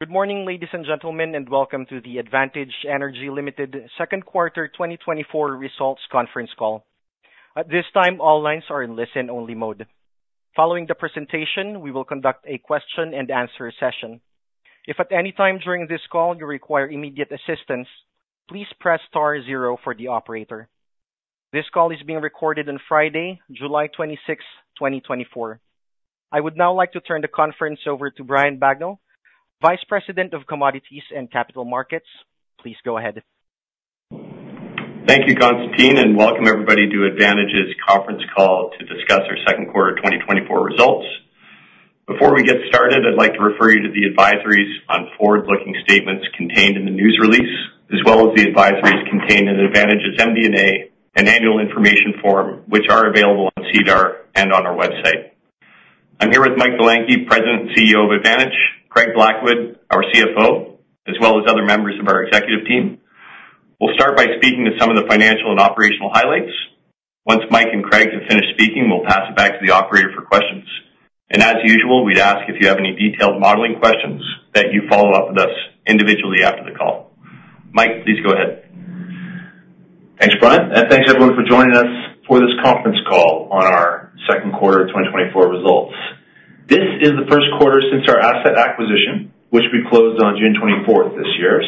Good morning, ladies and gentlemen, and welcome to the Advantage Energy Ltd. Second Quarter 2024 Results Conference Call. At this time, all lines are in listen-only mode. Following the presentation, we will conduct a question-and-answer session. If at any time during this call you require immediate assistance, please press star zero for the operator. This call is being recorded on Friday, July 26, 2024. I would now like to turn the conference over to Brian Bagnell, Vice President of Commodities and Capital Markets. Please go ahead. Thank you, Constantine, and welcome everybody to Advantage's conference call to discuss our second quarter 2024 results. Before we get started, I'd like to refer you to the advisories on forward-looking statements contained in the news release, as well as the advisories contained in Advantage's MD&A and Annual Information Form, which are available on SEDAR+ and on our website. I'm here with Mike Belenkie, President and CEO of Advantage, Craig Blackwood, our CFO, as well as other members of our executive team. We'll start by speaking to some of the financial and operational highlights. Once Mike and Craig have finished speaking, we'll pass it back to the operator for questions. As usual, we'd ask if you have any detailed modeling questions that you follow up with us individually after the call. Mike, please go ahead. Thanks, Brian, and thanks everyone for joining us for this conference call on our second quarter 2024 results. This is the first quarter since our asset acquisition, which we closed on June 24th this year.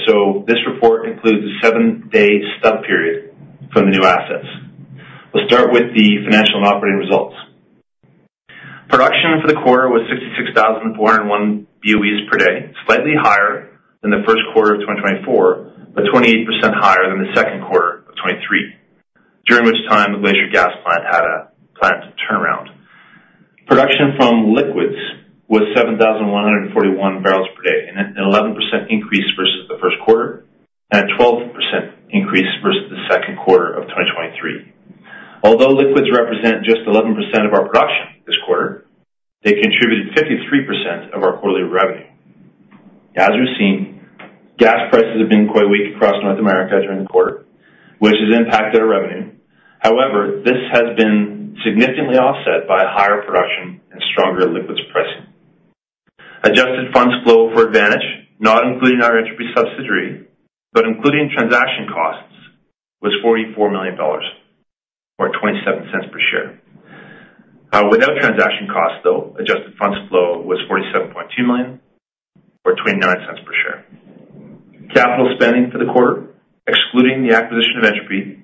This report includes a seven-day stub period from the new assets. We'll start with the financial and operating results. Production for the quarter was 66,401 BOEs per day, slightly higher than the first quarter of 2024, but 28% higher than the second quarter of 2023, during which time the Glacier Gas Plant had a planned turnaround. Production from liquids was 7,141 barrels per day, an 11% increase versus the first quarter, and a 12% increase versus the second quarter of 2023. Although liquids represent just 11% of our production this quarter, they contributed 53% of our quarterly revenue. As we've seen, gas prices have been quite weak across North America during the quarter, which has impacted our revenue. However, this has been significantly offset by higher production and stronger liquids pricing. Adjusted funds flow for Advantage, not including our Entropy subsidiary, but including transaction costs, was 44 million dollars, or 0.27 per share. Without transaction costs, though, adjusted funds flow was 47.2 million, or 0.29 per share. Capital spending for the quarter, excluding the acquisition of Entropy,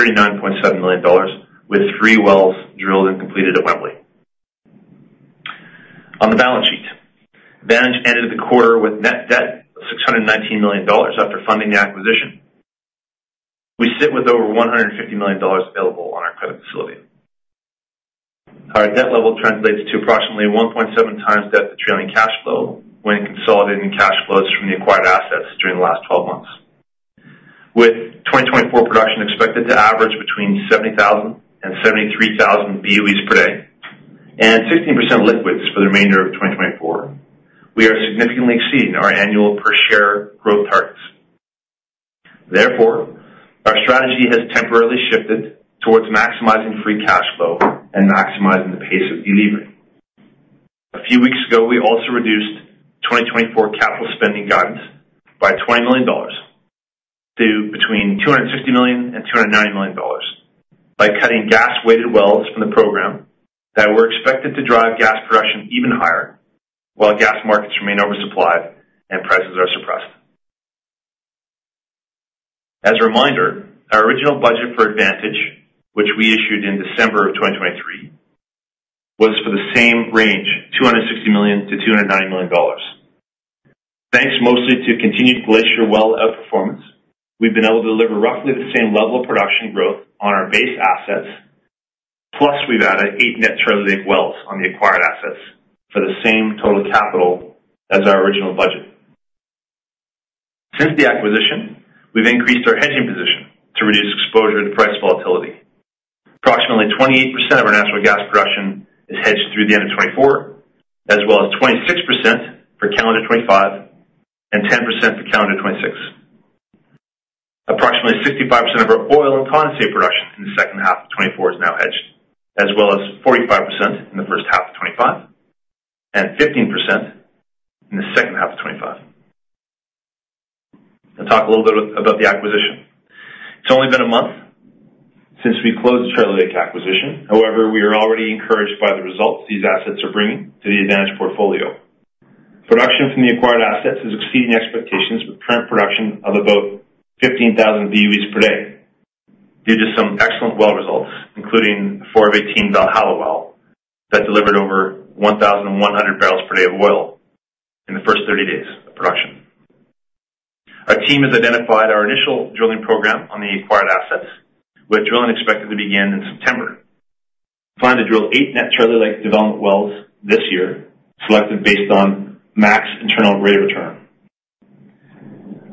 was low for the quarter at just 39.7 million dollars, with three wells drilled and completed at Wembley. On the balance sheet, Advantage ended the quarter with net debt of 619 million dollars after funding the acquisition. We sit with over 150 million dollars available on our credit facility. Our debt level translates to approximately 1.7x debt-to-trailing cash flow when consolidating cash flows from the acquired assets during the last 12 months, with 2024 production expected to average between 70,000 and 73,000 BOEs per day and 16% liquids for the remainder of 2024. We are significantly exceeding our annual per-share growth targets. Therefore, our strategy has temporarily shifted towards maximizing free cash flow and maximizing the pace of delivery. A few weeks ago, we also reduced 2024 capital spending guidance by 20 million dollars to between 260 million and 290 million dollars by cutting gas-weighted wells from the program that were expected to drive gas production even higher while gas markets remain oversupplied and prices are suppressed. As a reminder, our original budget for Advantage, which we issued in December of 2023, was for the same range, 260 million-290 million dollars. Thanks mostly to continued Glacier well outperformance, we've been able to deliver roughly the same level of production growth on our base assets. Plus, we've added 8 net Charlie Lake wells on the acquired assets for the same total capital as our original budget. Since the acquisition, we've increased our hedging position to reduce exposure to price volatility. Approximately 28% of our natural gas production is hedged through the end of 2024, as well as 26% for calendar 2025 and 10% for calendar 2026. Approximately 65% of our oil and condensate production in the second half of 2024 is now hedged, as well as 45% in the first half of 2025 and 15% in the second half of 2025. I'll talk a little bit about the acquisition. It's only been a month since we closed the Charlie Lake acquisition. However, we are already encouraged by the results these assets are bringing to the Advantage portfolio. Production from the acquired assets is exceeding expectations with current production of about 15,000 BOEs per day due to some excellent well results, including a 4 of 18 Valhalla well that delivered over 1,100 barrels per day of oil in the first 30 days of production. Our team has identified our initial drilling program on the acquired assets, with drilling expected to begin in September. We plan to drill eight net Charlie Lake development wells this year, selected based on max internal rate of return.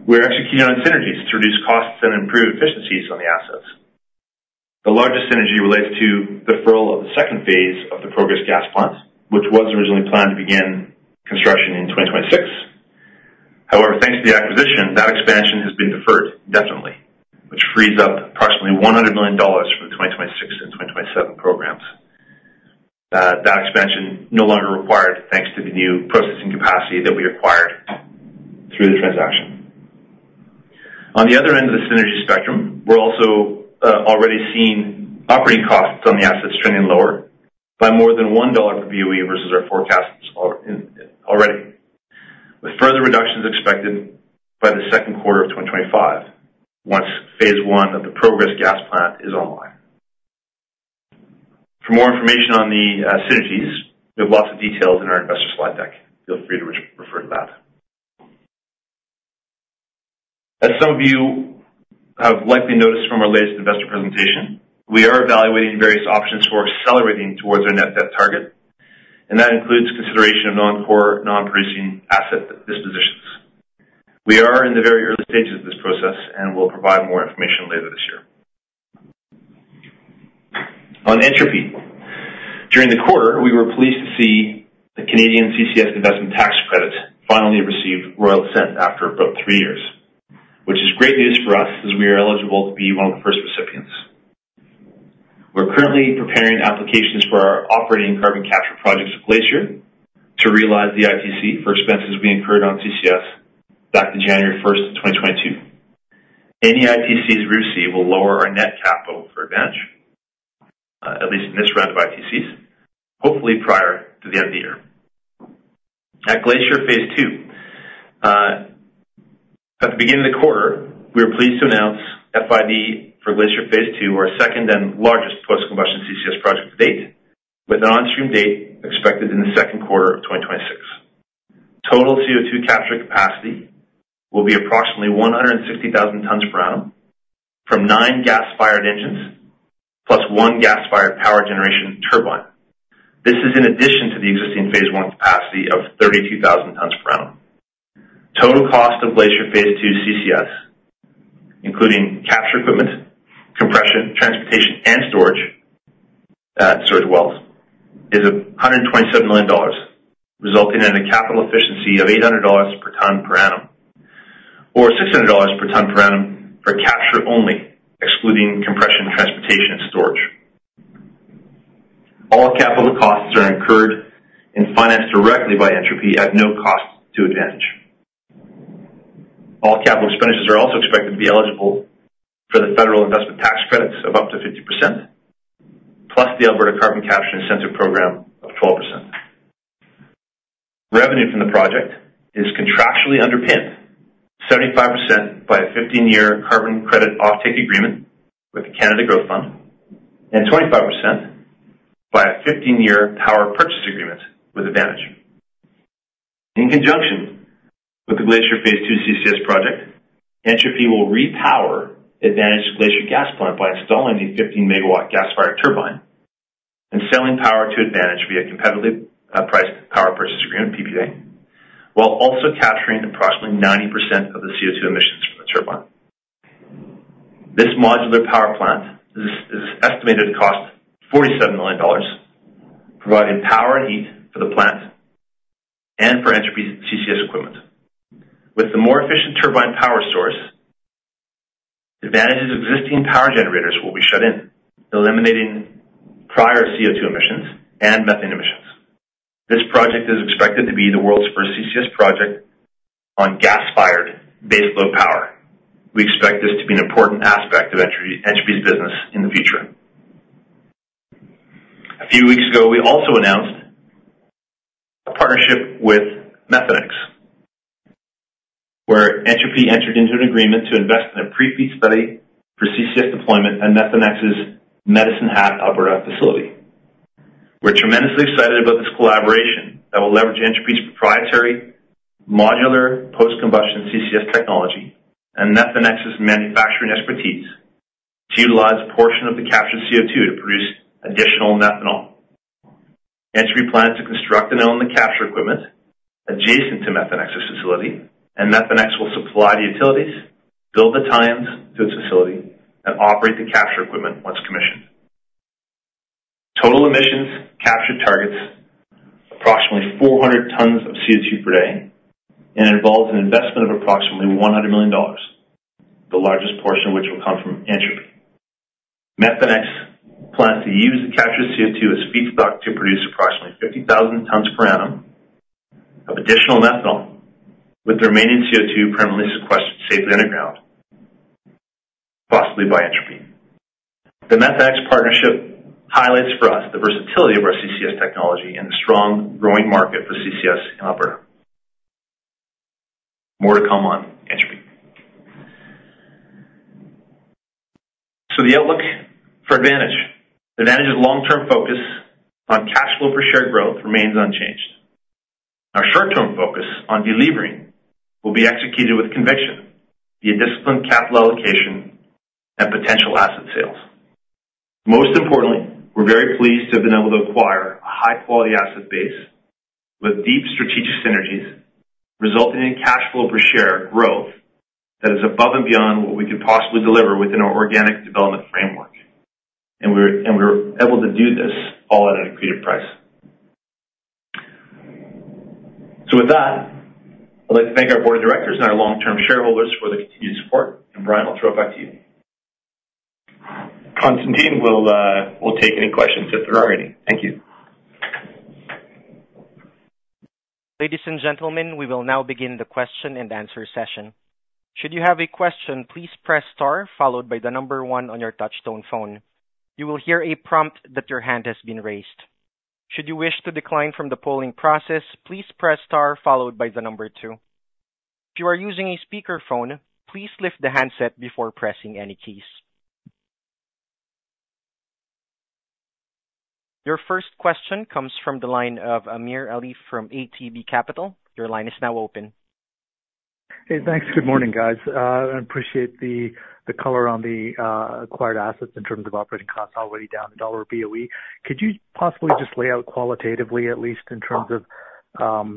We're executing on synergies to reduce costs and improve efficiencies on the assets. The largest synergy relates to the furlough of the second phase of the Progress Gas Plant, which was originally planned to begin construction in 2026. However, thanks to the acquisition, that expansion has been deferred definitely, which frees up approximately $100 million for the 2026 and 2027 programs. That expansion no longer required thanks to the new processing capacity that we acquired through the transaction. On the other end of the synergy spectrum, we're also already seeing operating costs on the assets trending lower by more than $1 per BOE versus our forecasts already, with further reductions expected by the second quarter of 2025 once phase I of the Progress Gas Plant is online. For more information on the synergies, we have lots of details in our investor slide deck. Feel free to refer to that. As some of you have likely noticed from our latest investor presentation, we are evaluating various options for accelerating towards our net debt target, and that includes consideration of non-core, non-producing asset dispositions. We are in the very early stages of this process and will provide more information later this year. On Entropy, during the quarter, we were pleased to see the Canadian CCS investment tax credit finally receive Royal Assent after about three years, which is great news for us as we are eligible to be one of the first recipients. We're currently preparing applications for our operating carbon capture projects at Glacier to realize the ITC for expenses we incurred on CCS back to January 1st, 2022. Any ITCs we receive will lower our net capital for Advantage, at least in this round of ITCs, hopefully prior to the end of the year. At Glacier Phase II, at the beginning of the quarter, we are pleased to announce FID for Glacier Phase II, our second and largest post-combustion CCS project to date, with an on-stream date expected in the second quarter of 2026. Total CO2 capture capacity will be approximately 160,000 tons per annum from nine gas-fired engines plus one gas-fired power generation turbine. This is in addition to the existing Phase I capacity of 32,000 tons per annum. Total cost of Glacier Phase II CCS, including capture equipment, compression, transportation, and storage wells, is $127 million, resulting in a capital efficiency of $800 per ton per annum or $600 per ton per annum for capture only, excluding compression, transportation, and storage. All capital costs are incurred and financed directly by Entropy at no cost to Advantage. All capital expenditures are also expected to be eligible for the federal investment tax credits of up to 50%, plus the Alberta Carbon Capture Incentive Program of 12%. Revenue from the project is contractually underpinned: 75% by a 15-year carbon credit offtake agreement with Canada Growth Fund and 25% by a 15-year power purchase agreement with Advantage. In conjunction with the Glacier Phase II CCS project, Entropy will repower Advantage's Glacier Gas Plant by installing the 15-MW gas-fired turbine and selling power to Advantage via a competitively priced power purchase agreement, PPA, while also capturing approximately 90% of the CO2 emissions from the turbine. This modular power plant is estimated to cost $47 million, providing power and heat for the plant and for Entropy CCS equipment. With the more efficient turbine power source, Advantage's existing power generators will be shut in, eliminating prior CO2 emissions and methane emissions. This project is expected to be the world's first CCS project on gas-fired baseload power. We expect this to be an important aspect of Entropy's business in the future. A few weeks ago, we also announced a partnership with Methanex, where Entropy entered into an agreement to invest in a pre-FEED study for CCS deployment at Methanex's Medicine Hat, Alberta facility. We're tremendously excited about this collaboration that will leverage Entropy's proprietary modular post-combustion CCS technology and Methanex's manufacturing expertise to utilize a portion of the captured CO2 to produce additional methanol. Entropy plans to construct and own the capture equipment adjacent to Methanex's facility, and Methanex will supply the utilities, build the tie-ins to its facility, and operate the capture equipment once commissioned. Total emissions captured targets approximately 400 tons of CO2 per day and involves an investment of approximately 100 million dollars, the largest portion of which will come from Entropy. Methanex plans to use the captured CO2 as feedstock to produce approximately 50,000 tons per annum of additional methanol, with the remaining CO2 permanently sequestered safely underground, possibly by Entropy. The Methanex partnership highlights for us the versatility of our CCS technology and the strong growing market for CCS in Alberta. More to come on Entropy. So the outlook for Advantage. Advantage's long-term focus on cash flow per share growth remains unchanged. Our short-term focus on delivering will be executed with conviction via disciplined capital allocation and potential asset sales. Most importantly, we're very pleased to have been able to acquire a high-quality asset base with deep strategic synergies, resulting in cash flow per share growth that is above and beyond what we could possibly deliver within our organic development framework. We're able to do this all at an attractive price. With that, I'd like to thank our board of directors and our long-term shareholders for the continued support. Brian, I'll throw it back to you. Constantine will take any questions if there are any. Thank you. Ladies and gentlemen, we will now begin the question and answer session. Should you have a question, please press star followed by the number one on your touch-tone phone. You will hear a prompt that your hand has been raised. Should you wish to decline from the polling process, please press star followed by the number two. If you are using a speakerphone, please lift the handset before pressing any keys. Your first question comes from the line of Amir Arif from ATB Capital Markets. Your line is now open. Hey, thanks. Good morning, guys. I appreciate the color on the acquired assets in terms of operating costs already down $1/BOE. Could you possibly just lay out qualitatively, at least in terms of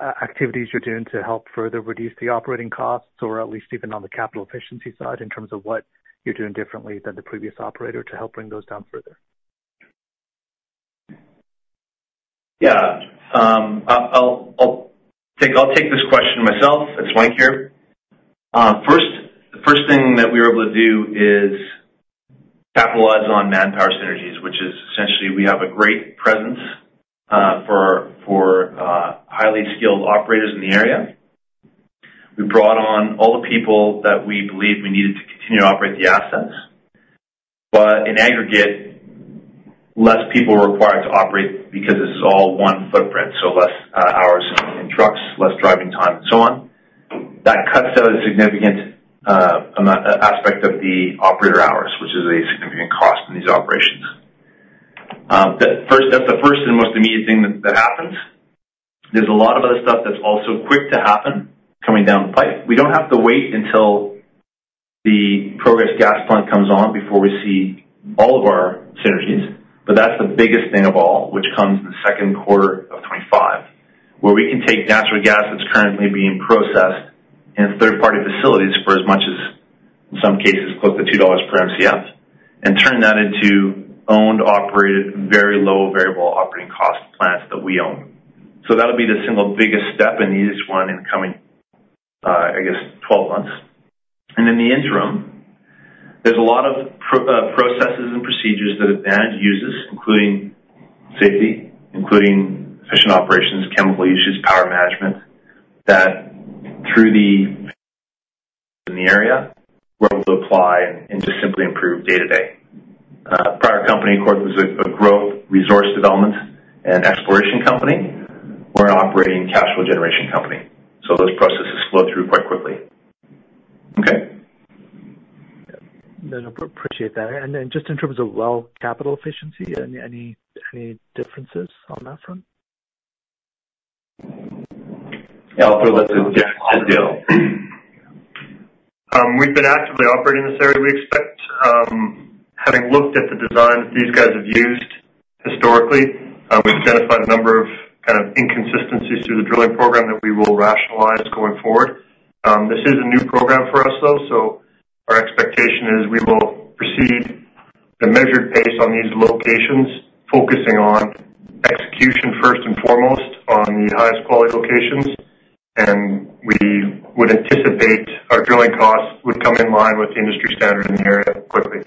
activities you're doing to help further reduce the operating costs, or at least even on the capital efficiency side in terms of what you're doing differently than the previous operator to help bring those down further? Yeah. I'll take this question myself. It's Mike here. First, the first thing that we were able to do is capitalize on manpower synergies, which is essentially we have a great presence for highly skilled operators in the area. We brought on all the people that we believed we needed to continue to operate the assets. But in aggregate, less people were required to operate because this is all one footprint, so less hours in trucks, less driving time, and so on. That cuts out a significant aspect of the operator hours, which is a significant cost in these operations. That's the first and most immediate thing that happens. There's a lot of other stuff that's also quick to happen coming down the pipe. We don't have to wait until the Progress Gas Plant comes on before we see all of our synergies. But that's the biggest thing of all, which comes in the second quarter of 2025, where we can take natural gas that's currently being processed in third-party facilities for as much as, in some cases, close to $2 per MCF and turn that into owned, operated, very low variable operating cost plants that we own. So that'll be the single biggest step and the easiest one in coming, I guess, 12 months. And in the interim, there's a lot of processes and procedures that Advantage uses, including safety, including efficient operations, chemical uses, power management, that through the in the area, we're able to apply and just simply improve day-to-day. Prior company, of course, was a growth resource development and exploration company. We're an operating cash flow generation company. So those processes flow through quite quickly. Okay? Appreciate that. And then just in terms of well capital efficiency, any differences on that front? Yeah, I'll throw that to Geoff. We've been actively operating this area. We expect, having looked at the designs these guys have used historically, we've identified a number of kind of inconsistencies through the drilling program that we will rationalize going forward. This is a new program for us, though, so our expectation is we will proceed at a measured pace on these locations, focusing on execution first and foremost on the highest quality locations. And we would anticipate our drilling costs would come in line with the industry standard in the area quickly.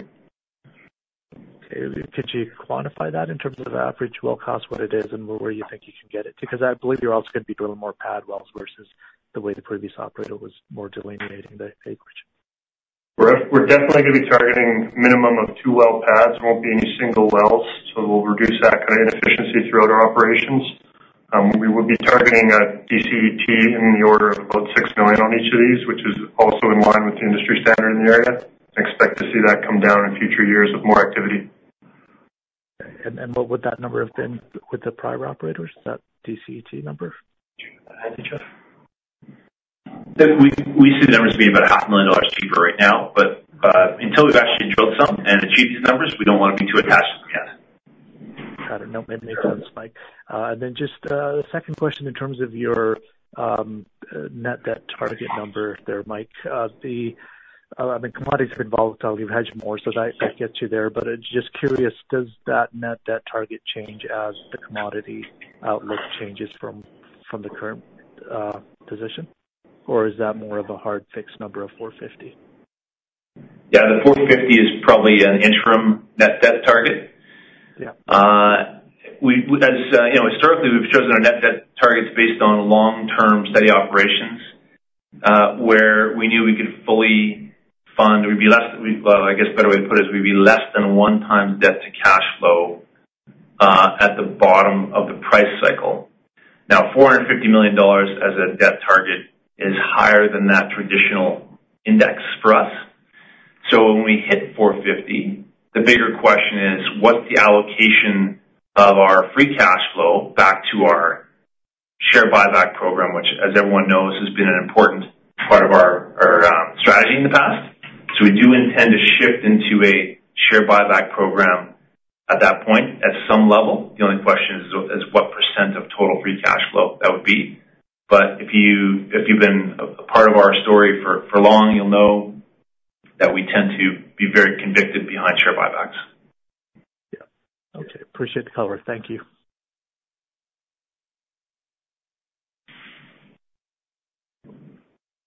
Okay. Could you quantify that in terms of average well cost, what it is, and where you think you can get it to? Because I believe you're also going to be drilling more pad wells versus the way the previous operator was more delineating the acreage. We're definitely going to be targeting a minimum of two well pads. There won't be any single wells, so we'll reduce that kind of inefficiency throughout our operations. We will be targeting a DCET in the order of about 6 million on each of these, which is also in line with the industry standard in the area. Expect to see that come down in future years with more activity. And what would that number have been with the prior operators? Is that DCET number? We see the numbers to be about 500,000 dollars cheaper right now. But until we've actually drilled some and achieved these numbers, we don't want to be too attached to them yet. Got it. No, it makes sense, Mike. Just a second question in terms of your net debt target number there, Mike. I mean, commodities have been volatile. You've hedged more, so I get you there. But just curious, does that net debt target change as the commodity outlook changes from the current position? Or is that more of a hard fixed number of 450? Yeah, 450 is probably an interim net debt target. As historically, we've chosen our net debt targets based on long-term steady operations where we knew we could fully fund. Well, I guess a better way to put it is we'd be less than one time's debt to cash flow at the bottom of the price cycle. Now, 450 million dollars as a debt target is higher than that traditional index for us. So when we hit 450, the bigger question is, what's the allocation of our free cash flow back to our share buyback program, which, as everyone knows, has been an important part of our strategy in the past? So we do intend to shift into a share buyback program at that point at some level. The only question is what % of total free cash flow that would be. But if you've been a part of our story for long, you'll know that we tend to be very convicted behind share buybacks. Yeah. Okay. Appreciate the color. Thank you.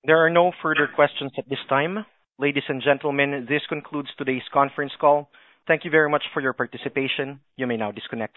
There are no further questions at this time. Ladies and gentlemen, this concludes today's conference call. Thank you very much for your participation. You may now disconnect.